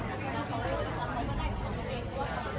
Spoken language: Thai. มันเป็นภาษาไทยก็ไม่ได้จัดการ